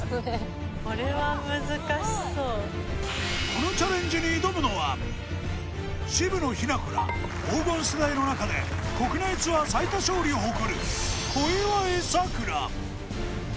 このチャレンジに挑むのは、渋野日向子ら黄金世代の中で国内ツアー最多勝利を誇る小祝さくら。